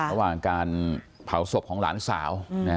ระหว่างการเผาศพของหลานสาว